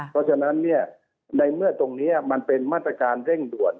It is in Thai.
เพราะฉะนั้นในเมื่อตรงนี้มันเป็นมาตรการเร่งด่วน